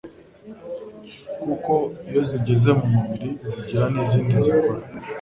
kuko iyo zigeze mu mubiri zigira n'ibindi zikora.